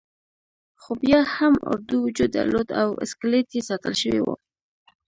خو بیا هم اردو وجود درلود او اسکلیت یې ساتل شوی وو.